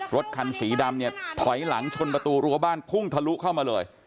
รถคันสีดำเนี่ยถอยหลังชนประตูรั้วบ้านพุ่งทะลุเข้ามาเลย